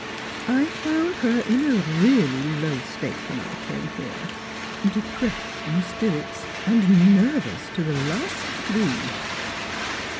I found her in a really low state when I came here — depressed in spirits, and nervous to the last degree."